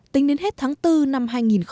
tính đến hết tháng bốn năm hai nghìn một mươi chín